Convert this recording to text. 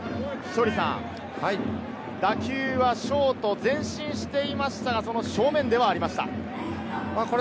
稀哲さん、打球はショートが前進していましたが、その正面ではありました。